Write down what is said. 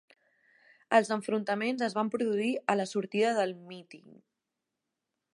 Els enfrontaments es van produir a la sortida del míting